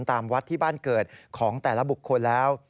ตามวัดที่บ้านเกิดของแต่ละบุคคลแล้ว